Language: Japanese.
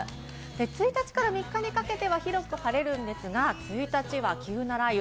１日から３日にかけては広く晴れるんですが１日は急な雷雨。